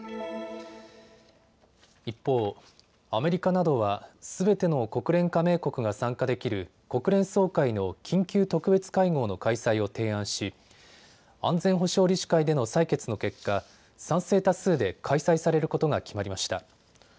一方、アメリカなどはすべての国連加盟国が参加できる国連総会の緊急特別会合の開催を提案し安全保障理事会での採決の結果、賛成多数で開催されることが決まりました。